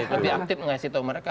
lebih aktif mengasih tau mereka